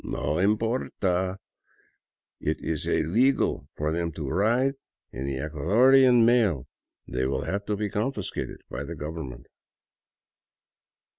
'* "No importa! It is illegal for them to ride in the Ecuadorian mails. They will have to be confiscated by the government."